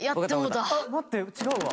あっ待って違うわ。